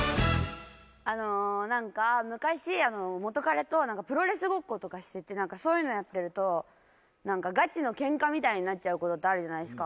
なんか昔元カレとプロレスごっことかしててそういうのやってるとガチのケンカみたいになっちゃうことってあるじゃないですか。